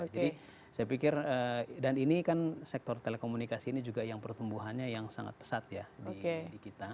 jadi saya pikir dan ini kan sektor telekomunikasi ini juga yang pertumbuhannya yang sangat pesat ya di kita